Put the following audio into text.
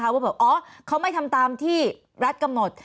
ว่าอ๋อเขาไม่ทำตามที่รัฐกำหนด